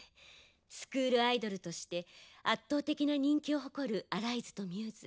スクールアイドルとして圧倒的な人気を誇るＡ−ＲＩＳＥとμ’ｓ。